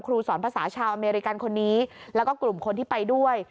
สอนภาษาชาวอเมริกันคนนี้แล้วก็กลุ่มคนที่ไปด้วย